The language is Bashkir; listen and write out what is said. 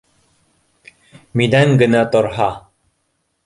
— Минән генә торһа